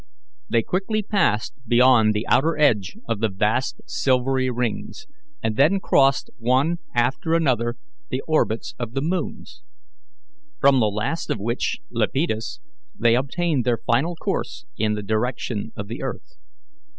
They quickly passed beyond the outer edge of the vast silvery rings, and then crossed one after another the orbits of the moons, from the last of which, Iapetus, they obtained their final course in the direction of the earth.